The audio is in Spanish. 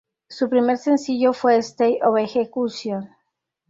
Su primer sencillo fue "Stay of Execution".